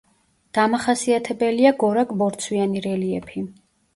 დამახასიათებელია გორაკ-ბორცვიანი რელიეფი.